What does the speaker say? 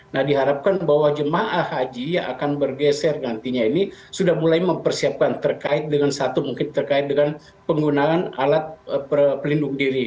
nah diharapkan bahwa jemaah haji yang akan bergeser nantinya ini sudah mulai mempersiapkan terkait dengan satu mungkin terkait dengan penggunaan alat pelindung diri